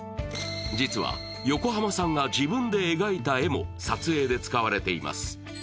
実は、横浜さんが自分で描いた絵も撮影で使われています。